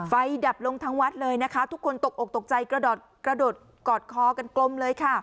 ดับลงทั้งวัดเลยนะคะทุกคนตกอกตกใจกระโดดกอดคอกันกลมเลยค่ะ